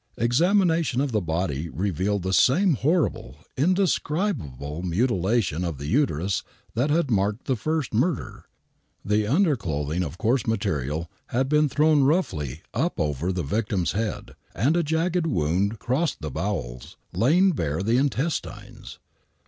Examination of the body revealed the same horrible, indescrib able mutilation of the uterus that had marked the first murder. The underclothing of coarse material had been thrown roughly up over the victim's head and a jagged wound crossed the bowels, laying bare the intestines.